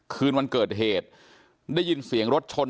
คืนวันเกิดเหตุได้ยินเสียงรถชน